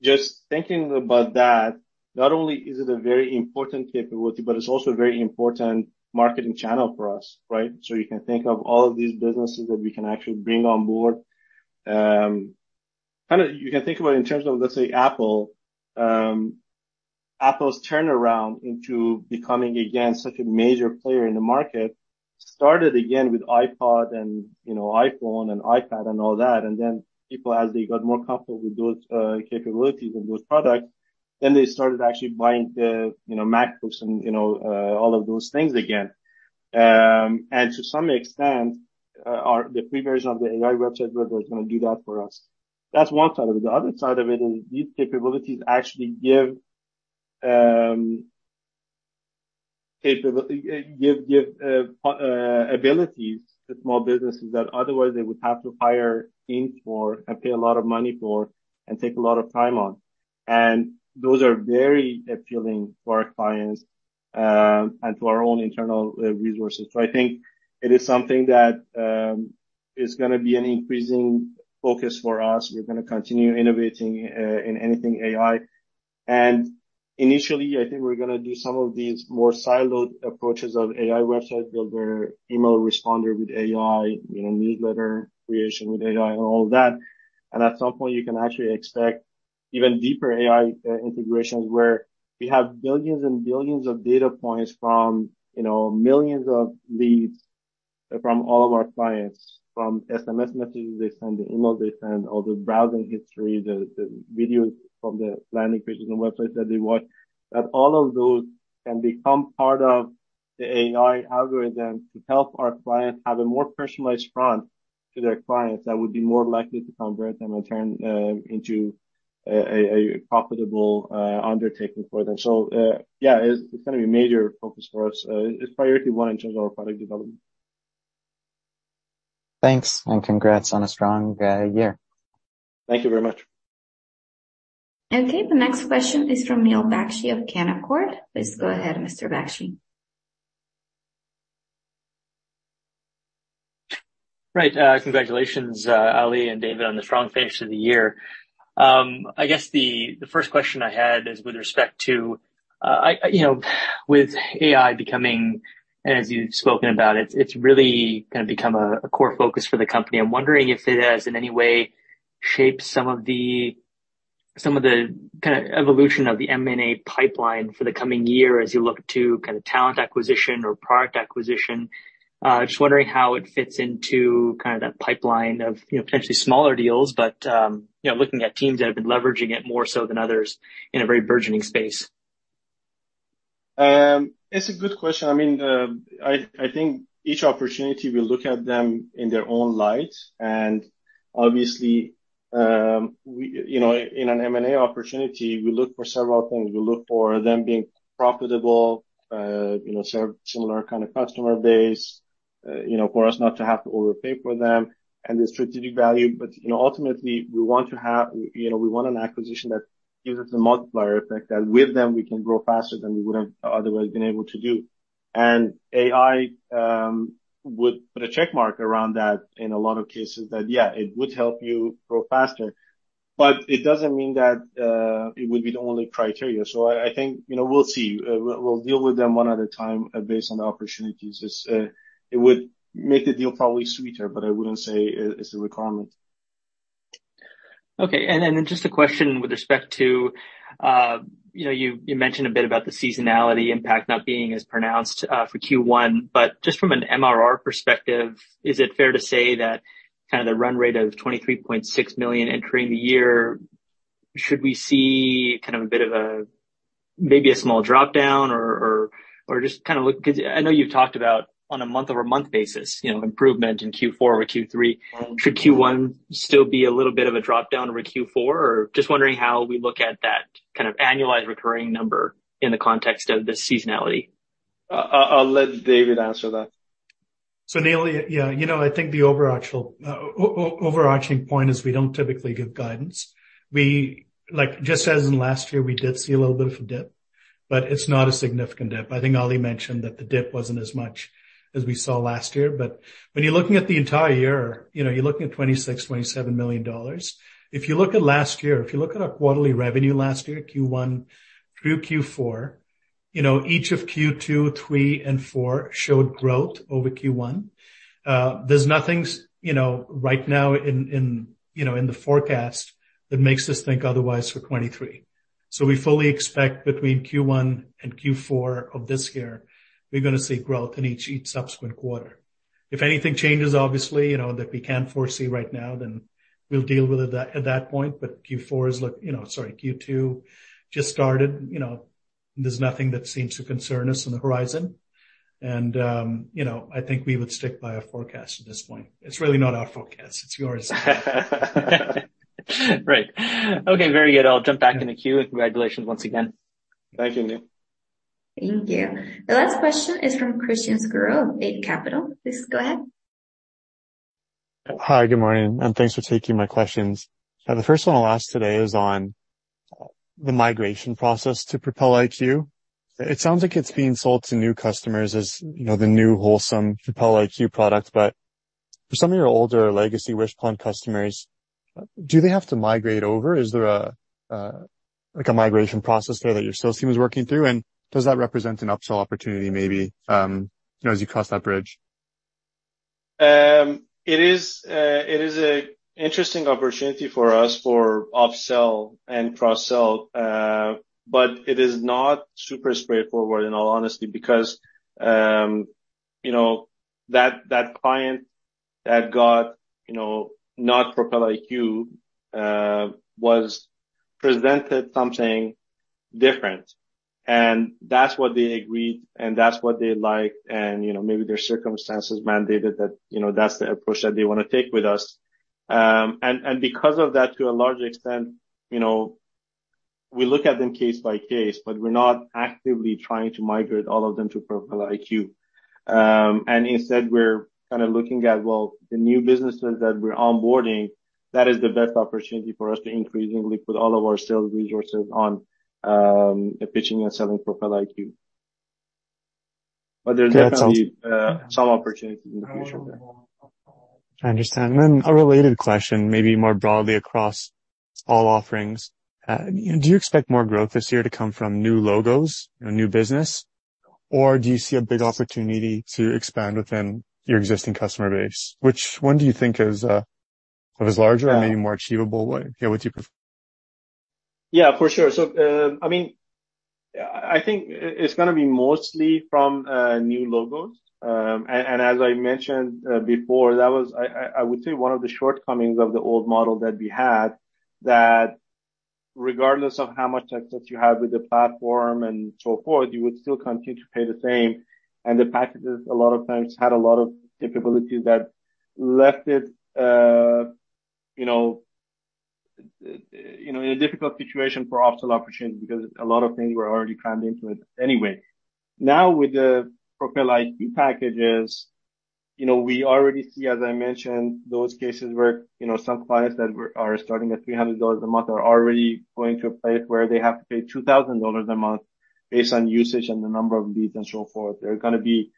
Just thinking about that, not only is it a very important capability, but it's also a very important marketing channel for us, right? You can think of all of these businesses that we can actually bring on board. Kind of you can think about in terms of, let's say, Apple. Apple's turnaround into becoming again such a major player in the market started again with iPod and, you know, iPhone and iPad and all that. People, as they got more comfortable with those capabilities and those products, then they started actually buying the MacBooks and all of those things again. To some extent, are the free version of the AI website builder is gonna do that for us. That's one side of it. The other side of it is these capabilities actually give abilities to small businesses that otherwise they would have to hire teams for and pay a lot of money for and take a lot of time on. Those are very appealing to our clients and to our own internal resources. I think it is something that is gonna be an increasing focus for us. We're gonna continue innovating in anything AI. Initially, I think we're gonna do some of these more siloed approaches of AI website builder, email responder with AI, you know, newsletter creation with AI and all that. At some point, you can actually expect even deeper AI integrations, where we have billions and billions of data points from, you know, millions of leads from all of our clients, from SMS messages they send, the emails they send, all the browsing history, the videos from the landing pages and websites that they watch, that all of those can become part of the AI algorithm to help our clients have a more personalized front to their clients that would be more likely to convert and return into a profitable undertaking for them. Yeah, it's gonna be a major focus for us. It's priority one in terms of our product development. Thanks, and congrats on a strong, year. Thank you very much. Okay. The next question is from Neil Bakshi of Canaccord. Please go ahead, Mr. Bakshi. Right. Congratulations, Ali and David, on the strong finish to the year. I guess the first question I had is with respect to, you know, with AI becoming, as you've spoken about, it's really gonna become a core focus for the company. I'm wondering if it has in any way shaped some of the kinda evolution of the M&A pipeline for the coming year as you look to kind of talent acquisition or product acquisition. Just wondering how it fits into kind of that pipeline of, you know, potentially smaller deals, but, you know, looking at teams that have been leveraging it more so than others in a very burgeoning space. It's a good question. I mean, I think each opportunity will look at them in their own light. Obviously, we, you know, in an M&A opportunity, we look for several things. We look for them being profitable, you know, serve similar kind of customer base, you know, for us not to have to overpay for them and the strategic value. You know, ultimately, we want to have, you know, we want an acquisition that gives us a multiplier effect that with them, we can grow faster than we would have otherwise been able to do. AI would put a check mark around that in a lot of cases that, yeah, it would help you grow faster. It doesn't mean that it would be the only criteria. I think, you know, we'll see. We'll deal with them one at a time, based on the opportunities. It's, it would make the deal probably sweeter, but I wouldn't say it's a requirement. Okay. Just a question with respect to, you know, you mentioned a bit about the seasonality impact not being as pronounced for Q1. Just from an MRR perspective, is it fair to say that kind of the run rate of $23.6 million entering the year, should we see kind of a bit of a maybe a small dropdown? Or just kind of look. Because I know you've talked about on a month-over-month basis, you know, improvement in Q4 over Q3. Should Q1 still be a little bit of a dropdown over Q4? Just wondering how we look at that kind of annualized recurring number in the context of the seasonality. I'll let David answer that. Neil, you know, I think the overarching point is we don't typically give guidance. Just as in last year, we did see a little bit of a dip, but it's not a significant dip. I think Ali mentioned that the dip wasn't as much as we saw last year. When you're looking at the entire year, you know, you're looking at $26 million-$27 million. If you look at last year, if you look at our quarterly revenue last year, Q1 through Q4, you know, each of Q2, three, and four showed growth over Q1. There's nothing you know, right now in, you know, in the forecast that makes us think otherwise for 2023. We fully expect between Q1 and Q4 of this year, we're gonna see growth in each subsequent quarter. If anything changes, obviously, you know, that we can't foresee right now, then we'll deal with it at that point. You know, sorry, Q2 just started. You know, there's nothing that seems to concern us on the horizon. You know, I think we would stick by our forecast at this point. It's really not our forecast, it's yours. Right. Okay, very good. I'll jump back in the queue, and congratulations once again. Thank you, Neil. Thank you. The last question is from Christian Sgro of Eight Capital. Please go ahead. Hi, good morning, and thanks for taking my questions. The first one I'll ask today is on the migration process to Propel IQ. It sounds like it's being sold to new customers as, you know, the new wholesome Propel IQ product. For some of your older legacy Wishpond customers, do they have to migrate over? Is there a like a migration process there that your sales team is working through? Does that represent an upsell opportunity maybe, you know, as you cross that bridge? It is a interesting opportunity for us for upsell and cross-sell, but it is not super straightforward, in all honesty, because, you know, that client that got, you know, not Propel IQ, was presented something different, and that's what they agreed and that's what they liked, and, you know, maybe their circumstances mandated that, you know, that's the approach that they wanna take with us. Because of that, to a large extent, you know, we look at them case by case, but we're not actively trying to migrate all of them to Propel IQ. Instead we're kind of looking at, well, the new businesses that we're onboarding, that is the best opportunity for us to increasingly put all of our sales resources on, pitching and selling Propel IQ. There's definitely some opportunities in the future there. I understand. A related question, maybe more broadly across all offerings. Do you expect more growth this year to come from new logos, new business? Do you see a big opportunity to expand within your existing customer base? Which one do you think is larger or maybe more achievable? What, yeah, what you prefer. Yeah, for sure. I mean, I think it's gonna be mostly from new logos. As I mentioned before, that was, I would say one of the shortcomings of the old model that we had, that regardless of how much success you had with the platform and so forth, you would still continue to pay the same. The packages, a lot of times, had a lot of capabilities that left it, you know, in a difficult situation for upsell opportunities because a lot of things were already crammed into it anyway. Now, with the Propel IQ packages, you know, we already see, as I mentioned, those cases where, you know, some clients that are starting at $300 a month are already going to a place where they have to pay $2,000 a month based on usage and the number of leads and so forth. There are gonna be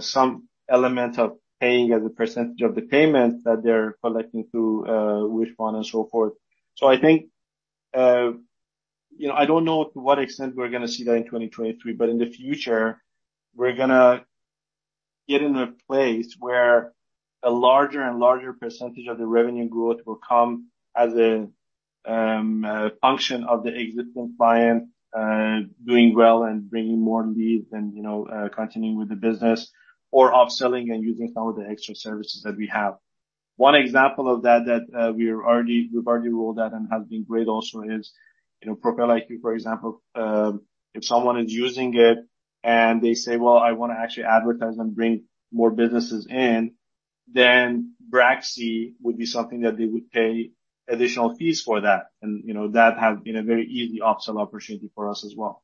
some element of paying as a % of the payment that they're collecting through Wishpond and so forth. I think, you know, I don't know to what extent we're gonna see that in 2023, but in the future, we're gonna get in a place where a larger and larger % of the revenue growth will come as a function of the existing client doing well and bringing more leads and, you know, continuing with the business or upselling and using some of the extra services that we have. One example of that we've already rolled out and has been great also is, you know, Propel IQ, for example. If someone is using it and they say, "Well, I wanna actually advertise and bring more businesses in," then Braxy would be something that they would pay additional fees for that. You know, that has been a very easy upsell opportunity for us as well.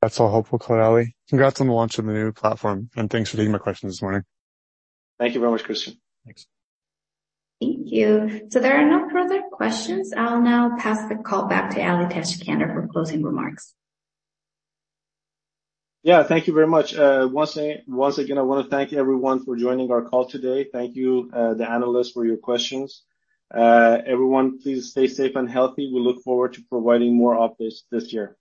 That's all helpful, Ali. Congrats on the launch of the new platform, and thanks for taking my questions this morning. Thank you very much, Christian. Thanks. Thank you. There are no further questions. I'll now pass the call back to Ali Tajskandar for closing remarks. Yeah. Thank you very much. once again, I wanna thank everyone for joining our call today. Thank you, the analysts for your questions. Everyone, please stay safe and healthy. We look forward to providing more updates this year.